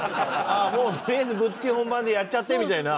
もうとりあえずぶっつけ本番でやっちゃってみたいな。